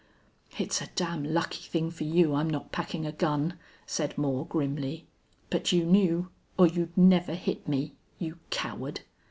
"It's a damn lucky thing for you I'm not packing a gun," said Moore, grimly. "But you knew or you'd never hit me you coward."